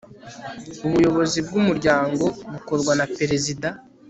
ubuyobozi bw'umuryango bukorwa na perezida